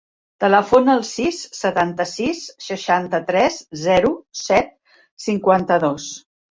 Telefona al sis, setanta-sis, seixanta-tres, zero, set, cinquanta-dos.